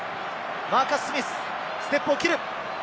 マーカス・スミス、ステップを切る。